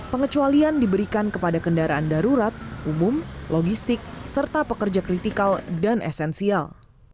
pengecualian diberikan kepada kendaraan darurat umum logistik serta pekerja kritikal dan esensial